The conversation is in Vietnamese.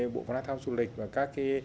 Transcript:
bộ văn hóa tham du lịch và các